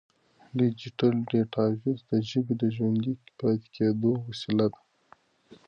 ډیجیټل ډیټابیس د ژبې د ژوندي پاتې کېدو وسیله ده.